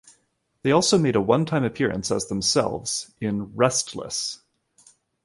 They also made a one-time appearance as themselves in "Restless".